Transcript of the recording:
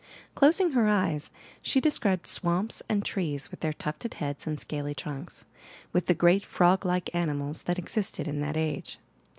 Closing her eyes, she described swamps and trees with their tufted heads and scaly trunks, with the great frog like animals that existed in that age.